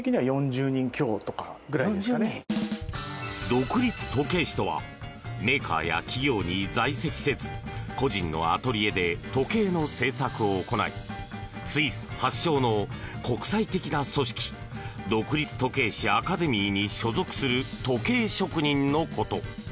独立時計師とはメーカーや企業に在籍せず個人のアトリエで時計の製作を行いスイス発祥の国際的な組織独立時計師アカデミーに所属する時計職人のこと。